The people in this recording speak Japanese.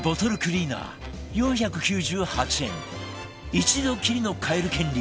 一度きりの買える権利